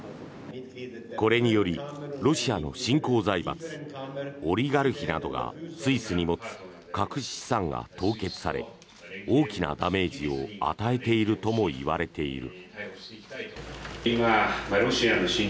これにより、ロシアの新興財閥オリガルヒなどがスイスに持つ隠し資産が凍結され大きなダメージを与えているともいわれている。